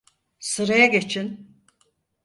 Sıraya geçin!